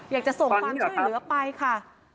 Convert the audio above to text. อยากจะส่งความช่วยเหลือไปค่ะ